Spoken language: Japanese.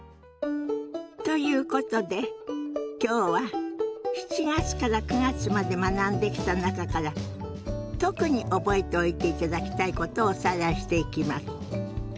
ということで今日は７月から９月まで学んできた中から特に覚えておいていただきたいことをおさらいしていきます。